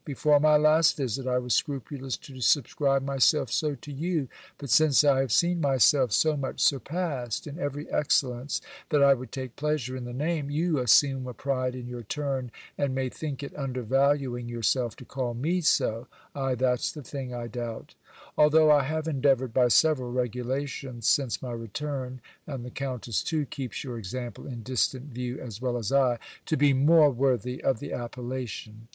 Before my last visit, I was scrupulous to subscribe myself so to you. But since I have seen myself so much surpassed in every excellence, that I would take pleasure in the name, you assume a pride in your turn, and may think it under valuing yourself, to call me so Ay, that's the thing, I doubt Although I have endeavoured by several regulations since my return (and the countess, too, keeps your example in distant view, as well as I), to be more worthy of the appellation.